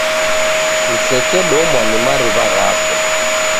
Nisekedomwa ni mariw'a ghapo